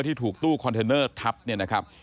ที่ถูกตู้คอนเทนเนอร์ทับเนี่ยนะครับ